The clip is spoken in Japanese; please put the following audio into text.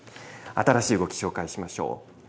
新しい動き紹介しましょう。